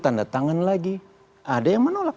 tanda tangan lagi ada yang menolak